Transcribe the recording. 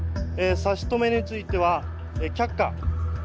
差し止めについては却下。